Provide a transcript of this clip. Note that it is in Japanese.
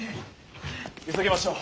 急ぎましょう。